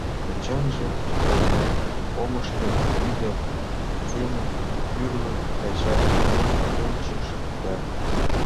Эчанже колымек, омышто ӱдыр семын тӱрлӧ качат кончыш да...